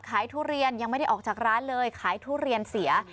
ทุเรียนยังไม่ได้ออกจากร้านเลยขายทุเรียนเสีย